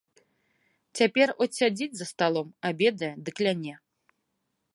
Цяпер от сядзіць за сталом, абедае ды кляне.